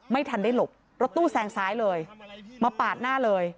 ไม่ทันได้หลบรถตู้แซงซ้ายเลยมาปาดหน้าเลย